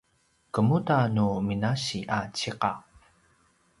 kemuda nu minasi a ciqav?